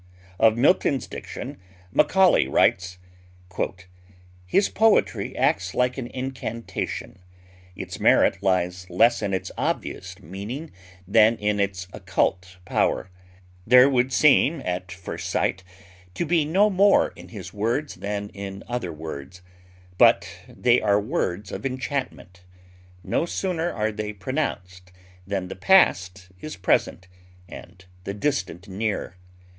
Of Milton's diction Macaulay writes: "His poetry acts like an incantation. Its merit lies less in its obvious meaning than in its occult power. There would seem, at first sight, to be no more in his words than in other words. But they are words of enchantment. No sooner are they pronounced, than the past is present and the distant near.